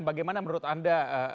bagaimana menurut anda